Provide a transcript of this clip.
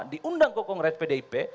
diundang ke kongres pdip